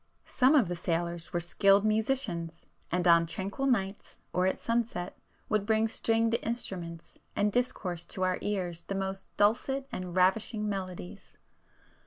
Some of the sailors were skilled musicians, and on tranquil nights or at sunset, would bring stringed instruments and discourse to our ears the most dulcet and ravishing melodies.